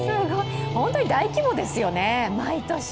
本当に大規模ですよね、毎年。